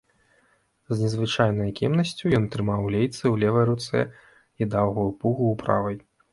З незвычайнай кемнасцю ён трымаў лейцы ў левай руцэ і даўгую пугу ў правай.